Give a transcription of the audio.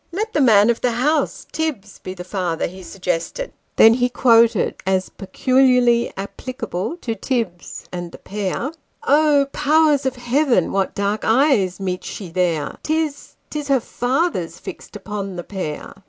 " Let the man of the house, Tibbs, be the father," he suggested ; and then he quoted, as peculiarly applicable to Tibbs and the pair " Oh Powers of Heaven ! what dark ej'es meets she there ? "Tis 'tis her father's fixed upon the pair."